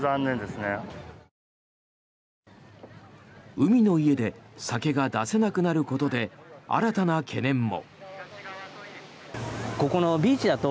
海の家で酒が出せなくなることで新たな懸念も。